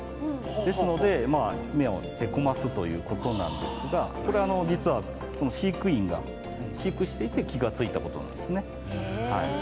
ですので目をへこますということなんですがこれ実はここの飼育員が飼育していて気が付いたことなんですね。